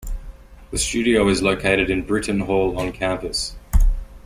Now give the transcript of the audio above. The studio is located in Brittain Hall on campus.